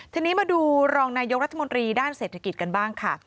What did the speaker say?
ทีนี้มาดูรองนายกรัฐมนตรีด้านเศรษฐกิจกันบ้างค่ะ